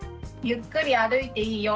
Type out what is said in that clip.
ゆっくり歩いていいよ。